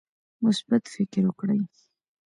مثبت فکر وکړئ